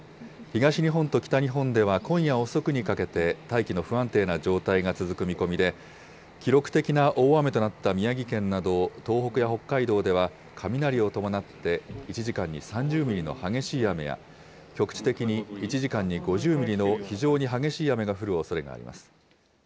東日本と北日本では今夜遅くにかけて、大気の不安定な状態が続く見込みで、記録的な大雨となった宮城県など、東北や北海道では雷を伴って、１時間に３０ミリの激しい雨や、局地的に１時間に５０ミリの非常に激しい雨が降るおそれがあります。